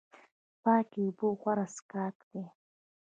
پاکې اوبه غوره څښاک دی